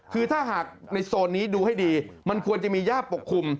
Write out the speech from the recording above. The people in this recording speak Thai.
คือถ้าหากในโซนนี้ดูให้ดีมันควรจะมีญาติปกคลุม